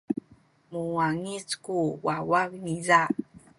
muwangic ku wawa niza.